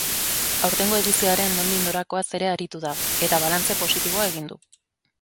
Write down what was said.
Aurtengo edizioaren nondik-norakoaz ere aritu da, eta balantze positiboa egin du.